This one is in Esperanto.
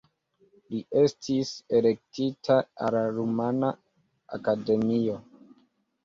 Li estis elektita al la Rumana Akademio.